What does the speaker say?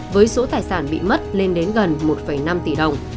với số tài sản bị mất lên đến gần một năm tỷ đồng